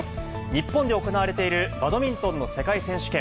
日本で行われているバドミントンの世界選手権。